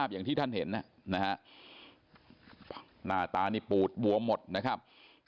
อย่างที่ท่านเห็นหน้าตานี่ปูดบวมหมดนะครับ